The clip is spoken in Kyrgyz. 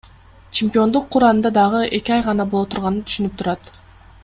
Чемпиондук кур анда дагы эки ай гана боло турганын түшүнүп турат.